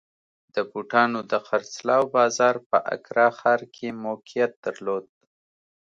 د بوټانو د خرڅلاو بازار په اکرا ښار کې موقعیت درلود.